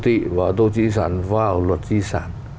đô thị và đô thị sản vào luật di sản